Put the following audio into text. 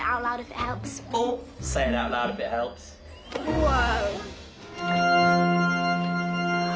うわ。